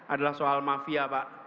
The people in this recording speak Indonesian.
adalah soal mafia pak